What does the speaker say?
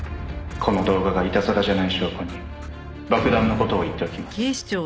「この動画がいたずらじゃない証拠に爆弾の事を言っておきます」